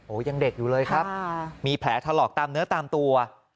ยังเด็กอยู่เลยครับมีแผลถลอกตามเนื้อตามตัว